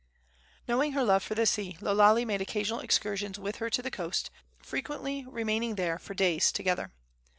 Knowing her love for the sea, Lo Lale made occasional excursions with her to the coast, frequently remaining there for days together.